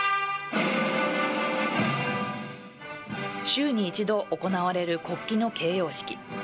週に１度行われる国旗の掲揚式。